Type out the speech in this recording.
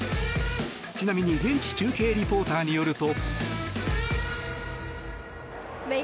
ちなみに現地中継リポーターによると。